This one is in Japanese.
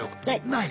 ない。